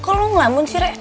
kok lo ngelamun sih re